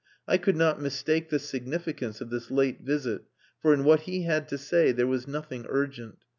I could not mistake the significance of this late visit, for in what he had to say there was nothing urgent.